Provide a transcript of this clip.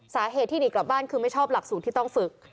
สาเหตุที่หนีกลับบ้านคือไม่ชอบหลักสูตรที่ต้องฝึก